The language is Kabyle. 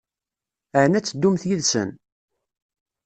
Ɛni ad teddumt yid-sen?